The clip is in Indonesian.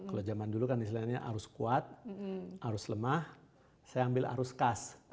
kalau zaman dulu kan istilahnya arus kuat arus lemah saya ambil arus kas